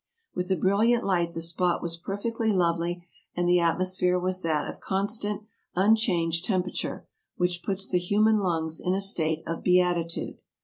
With a brilliant light the spot was perfectly lovely and the atmosphere was that of constant, unchanged temperature, which puts the human lungs in a state of beatitude.